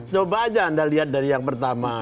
coba aja anda lihat dari yang pertama